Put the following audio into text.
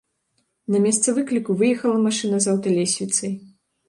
На месца выкліку выехала машына з аўталесвіцай.